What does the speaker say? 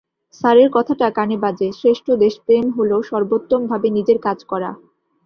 স্যারের কথাটা কানে বাজে, শ্রেষ্ঠ দেশপ্রেম হলো সর্বোত্তমভাবে নিজের কাজ করা।